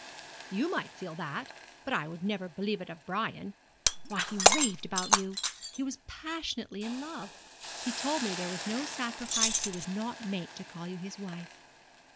'You might feel that; but I would never believe it of Brian. Why, he raved about you; he was passionately in love. He told me there was no sacrifice he would not make to call you his wife.'